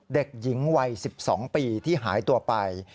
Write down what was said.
เด็กหญิงวัย๑๒ปีที่หายตัวไป